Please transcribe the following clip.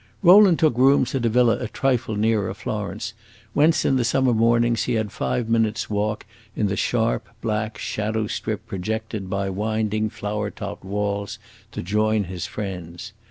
Rowland took rooms at a villa a trifle nearer Florence, whence in the summer mornings he had five minutes' walk in the sharp, black, shadow strip projected by winding, flower topped walls, to join his friends.